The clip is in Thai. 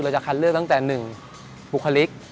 จะคัดเลือกตั้งแต่๑บุคลิก